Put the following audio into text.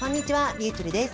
りゅうちぇるです。